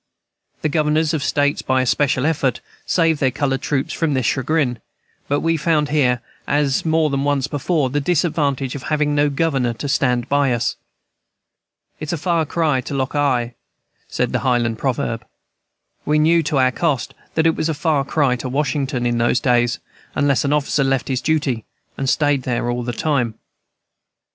The governors of States, by especial effort, saved their colored troops from this chagrin; but we found here, as more than once before, the disadvantage of having no governor to stand by us. "It's a far cry to Loch Awe," said the Highland proverb. We knew to our cost that it was a far cry to Washington in those days, unless an officer left his duty and stayed there all the time.